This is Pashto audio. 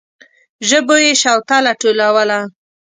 ژبو يې شوتله ټولوله.